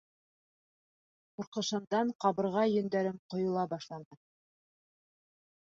Ҡурҡышымдан ҡабырға йөндәрем ҡойола башланы...